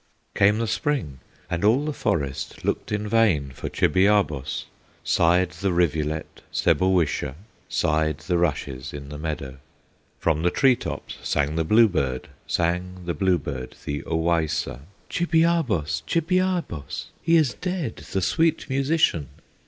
Came the Spring, and all the forest Looked in vain for Chibiabos; Sighed the rivulet, Sebowisha, Sighed the rushes in the meadow. From the tree tops sang the bluebird, Sang the bluebird, the Owaissa, "Chibiabos! Chibiabos! He is dead, the sweet musician!"